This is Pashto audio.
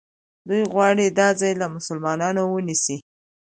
دوی غواړي دا ځای له مسلمانانو ونیسي.